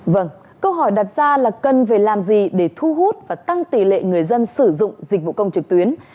vâng câu hỏi đặt ra là cần phải làm gì để thu hút và tăng tỷ lệ người dân sử dụng dịch vụ công trực tuyến